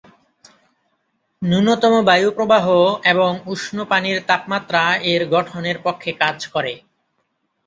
ন্যূনতম বায়ু প্রবাহ এবং উষ্ণ পানির তাপমাত্রা এর গঠনের পক্ষে কাজ করে।